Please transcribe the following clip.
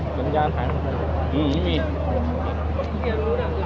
กลับไปที่นั้นไปดีกว่า